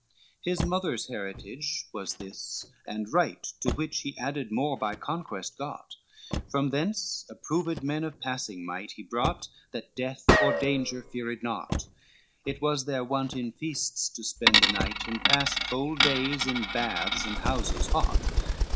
XLII His mother's heritage was this and right, To which he added more by conquest got, From thence approved men of passing might He brought, that death or danger feared not: It was their wont in feasts to spend the night, And pass cold days in baths and houses hot.